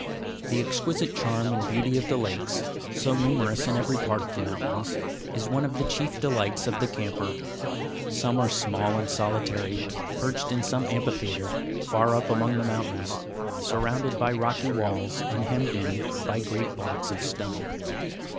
The exquisite charm and beauty of the lakes, so numerous in every part of the mountains, is one of the chief delights of the camper. Some are small and solitary, perched in some amphitheatre far up among the mountains, surrounded by rocky walls, and hemmed in by great blocks of stone.